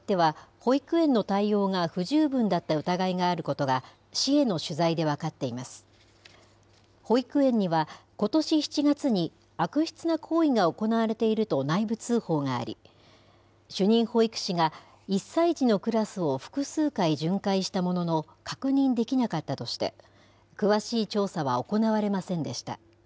保育園にはことし７月に、悪質な行為が行われていると内部通報があり、主任保育士が１歳児のクラスを複数回巡回したものの、確認できなかったとして、詳しい調査は行われませんでした。